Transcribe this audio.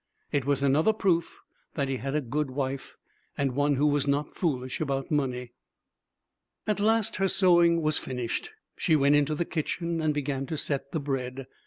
It was another proof that he had a good wife, and one who was not foolish about money. At last, her sewing was finished. She went into the kitchen and began to set the bread.